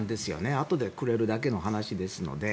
あとでくれるだけの話なので。